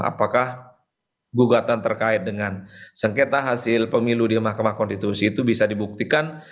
apakah gugatan terkait dengan sengketa hasil pemilu di mahkamah konstitusi itu bisa dibuktikan